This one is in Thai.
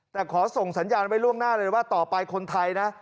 แต่ขอส่งสัญญาณไว้ล่วงหน้าเลยว่าต่อไปคนไทยนะ